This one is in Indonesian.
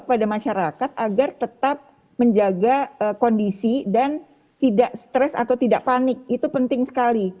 kepada masyarakat agar tetap menjaga kondisi dan tidak stres atau tidak panik itu penting sekali